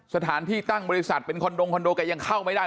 สถานที่ตั้งบริษัทเป็นคอนโดงคอนโดแกยังเข้าไม่ได้